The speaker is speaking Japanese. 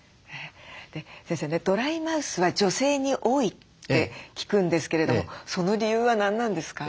先生ねドライマウスは女性に多いって聞くんですけれどもその理由は何なんですか？